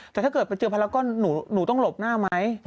แต่ถ้าเกิดไปเจอภารกรหนูต้องหลบหน้าไหม